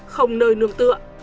không nơi nương tựa